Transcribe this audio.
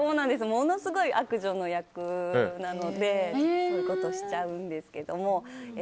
ものすごい悪女の役なのでそういうことをしちゃうんですけども。